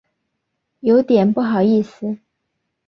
有点不好意思